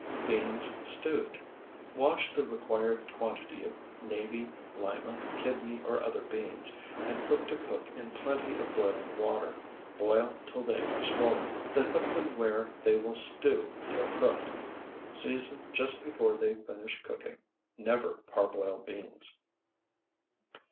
BEANS STEWED Wash the required quantity of navy, lima, kidney, or other beans, and put to cook in plenty of boiling water; boil till they are swollen, then put them where they will stew till cooked; season just before they finish cooking. Never parboil beans.